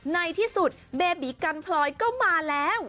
ในที่สุดเบบีกันพลอยก็มาแล้ว